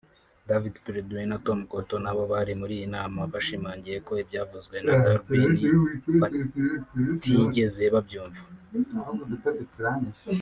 David Perdue na Tom Cotton nabo bari muri iyi nama bashimangiye ko ibyavuzwe na Durbin batigeze babyumva